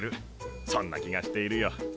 そんな気がしているよ。